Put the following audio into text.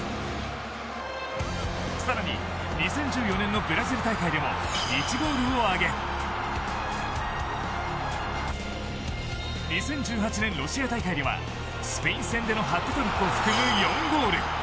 さらに２０１４年のブラジル大会でも１ゴールを挙げ２０１８年ロシア大会ではスペイン戦でのハットトリックを含む４ゴール。